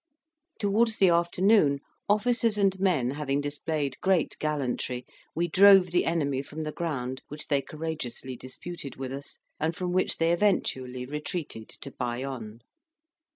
Towards the afternoon, officers and men having displayed great gallantry, we drove the enemy from the ground which they courageously disputed with us, and from which they eventually retreated to Bayonne.